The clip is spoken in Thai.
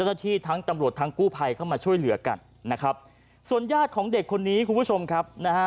สัญญาณของเด็กคนนี้คุณผู้ชมครับ